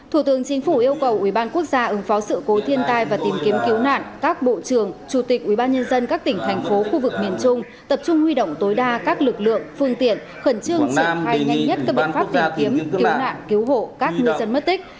thủ tướng chính phủ yêu cầu ubnd ứng phó sự cố thiên tai và tìm kiếm cứu nạn các bộ trưởng chủ tịch ubnd các tỉnh thành phố khu vực miền trung tập trung huy động tối đa các lực lượng phương tiện khẩn trương triển khai nhanh nhất các biện pháp tìm kiếm cứu nạn cứu hộ các ngư dân mất tích